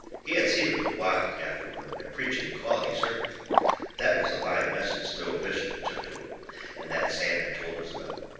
He had seen him go wild, afterward, and preach an equality sermon. That was the lying message the old bishop had took to 'em, and that Sam had told us about.